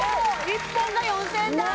１本が４０００円台！